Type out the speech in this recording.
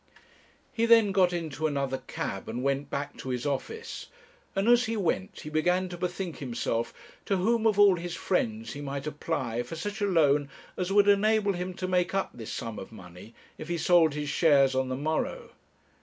He then got into another cab and went back to his office; and as he went he began to bethink himself to whom of all his friends he might apply for such a loan as would enable him to make up this sum of money, if he sold his shares on the morrow.